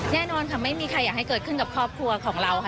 แน่นอนค่ะไม่มีใครอยากให้เกิดขึ้นกับครอบครัวของเราค่ะ